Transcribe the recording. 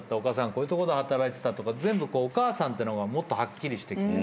こういうとこで働いてたとか全部お母さんというのがもっとはっきりしてきて。